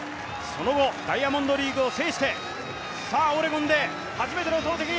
その後、ダイヤモンドリーグを制してオレゴンで初めての投てき！